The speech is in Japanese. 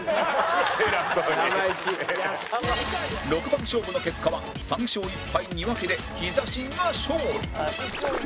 ６番勝負の結果は３勝１敗２分けでヒザ神が勝利